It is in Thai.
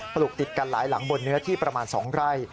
ลูกติดกันหลายหลังบนเนื้อที่ประมาณ๒ไร่